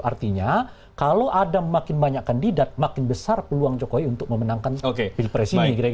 artinya kalau ada makin banyak kandidat makin besar peluang jokowi untuk memenangkan pilpres ini